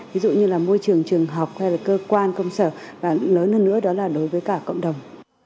ví dụ như là môi trường trường học hay là cơ quan công sở và lớn hơn nữa đó là đối với cả cộng đồng